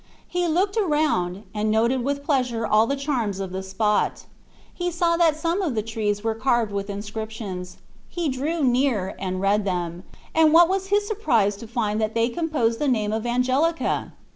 He looked around, and noted with pleasure all the charms of the spot. He saw that some of the trees were carved with inscriptions he drew near, and read them, and what was his surprise to find that they composed the name of Angelica!